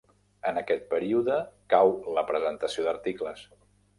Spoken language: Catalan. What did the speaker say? En aquest període cau la presentació d'articles.